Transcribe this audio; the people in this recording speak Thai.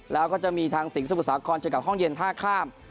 แล้วก็จะมีทางสิงสมุทรสาครเจอกับห้องเย็นท่าข้าม